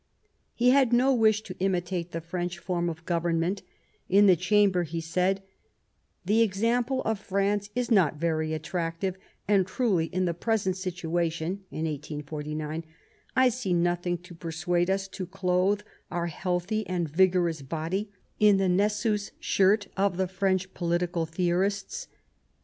He had no wish to imitate the French form of government ; in the Chamber he said :" The example of France is not very attractive, and truly in the present situation [in 1849] I see nothing to persuade us to clothe our healthy and vigorous body in the Nessus shirt of the French political theorists.